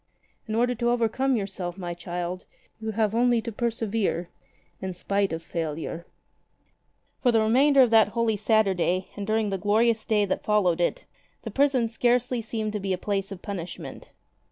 In order to overcome yourself, my child, you have only to persevere — in spite of failure'' For the remainder of that Holy Saturday and during the glorious Day that followed it, prison scarcely seemed to be a place of punishment.